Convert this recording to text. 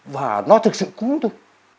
và nó thực sự cúng tôi